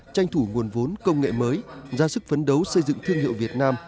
tranh thủ nguồn vốn công nghệ mới ra sức phấn đấu xây dựng thương hiệu việt nam